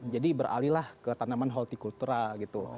jadi beralihlah ke tanaman horticultura gitu